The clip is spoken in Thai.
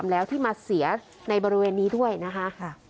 แล้วที่มาเสียในบริเวณนี้ด้วยนะคะ